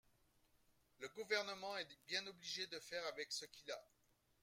Le Gouvernement est bien obligé de faire avec ce qu’il a.